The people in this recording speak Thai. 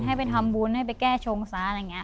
ให้ไปทำบุญให้ไปแก้ชงซะอะไรอย่างนี้